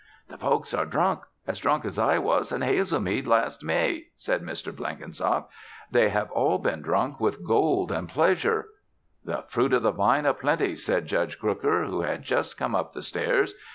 "The folks are drunk as drunk as I was in Hazelmead last May," said Mr. Blenkinsop. "They have been drunk with gold and pleasure " "The fruit of the vine of plenty," said Judge Crooker, who had just come up the stairs.